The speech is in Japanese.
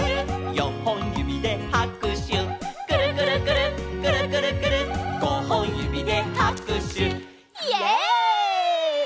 「よんほんゆびではくしゅ」「くるくるくるっくるくるくるっ」「ごほんゆびではくしゅ」イエイ！